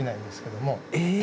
え？